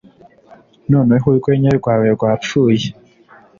noneho urwenya rwawe rwapfuye